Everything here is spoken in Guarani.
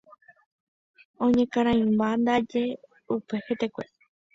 Oñekarãimba ndaje upe hetekue.